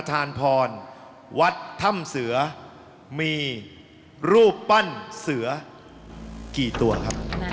ทานพรวัดถ้ำเสือมีรูปปั้นเสือกี่ตัวครับ